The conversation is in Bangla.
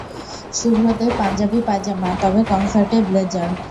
শুভ্র দেব পাঞ্জাবি পায়জামা, তবে কনসার্টে ব্লেজার।